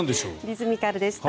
リズミカルでした。